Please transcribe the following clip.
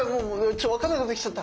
ちょ分かんなくなってきちゃった。